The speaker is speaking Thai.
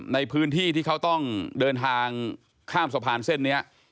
ในพื้นที่ที่เขาต้องเดินทางข้ามสะพานเส้นนี้